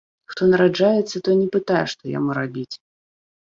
Хто нараджаецца, той не пытае, што яму рабіць.